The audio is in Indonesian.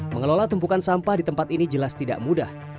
mengelola tumpukan sampah di tempat ini jelas tidak mudah